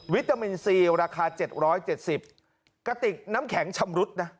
ตามินซีราคา๗๗๐กะติกน้ำแข็งชำรุดนะ